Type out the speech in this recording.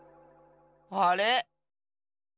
あれ？